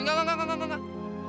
enggak enggak enggak enggak